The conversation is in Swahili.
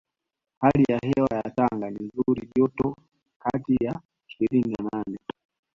Hali ya hewa ya Tanga ni nyuzi joto kati ya ishirini na nne